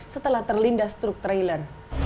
setelah terlindas truk trailer